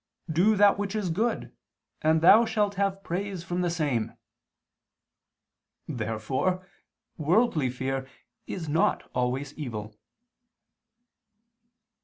Do that which is good, and thou shalt have praise from the same." Therefore worldly fear is not always evil.